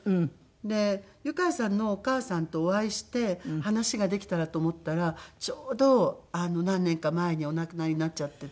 でユカイさんのお母さんとお会いして話ができたらと思ったらちょうど何年か前にお亡くなりになっちゃっていて。